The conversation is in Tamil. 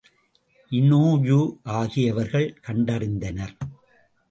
இனோயு ஆகியவர்கள் கண்டறிந்தனர்.